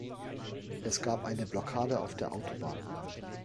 Es gab eine Blockade auf der Autobahn.